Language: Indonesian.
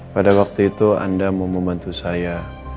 pada waktu itu anda mau membantu saya